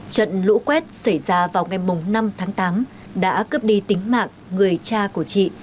trận lũ quét xảy ra vào ngày năm tháng tám đã cướp đi tính mạng người cha của chị